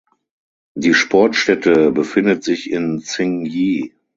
Die Sportstätte befindet sich in Tsing Yi.